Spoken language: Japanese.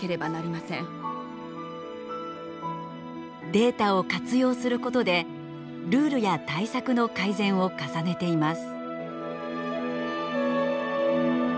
データを活用することでルールや対策の改善を重ねています。